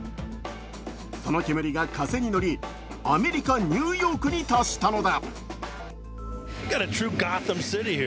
その煙が風に乗りアメリカ・ニューヨークに達したのだ。